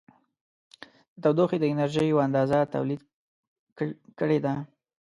د تودوخې د انرژي یوه اندازه تولید کړې ده.